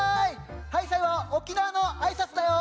はいさいは沖縄のあいさつだよ。